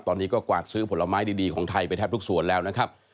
ตอนนี้ก็กวาดซื้อผลไม้ดีของไทยไปแทบทุกส่วนแล้วนะครับ